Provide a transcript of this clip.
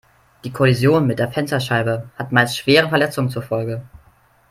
Die Kollision mit der Fensterscheibe hat meist schwere Verletzungen zur Folge.